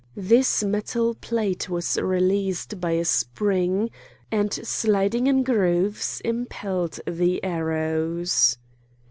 This metal plate was released by a spring, and sliding in grooves impelled the arrows.